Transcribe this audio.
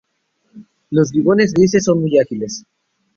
Los gibones grises son muy ágiles.